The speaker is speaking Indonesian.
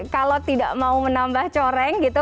kalau tidak mau menambah coreng gitu